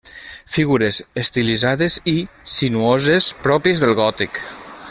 Figures estilitzades i sinuoses pròpies del gòtic.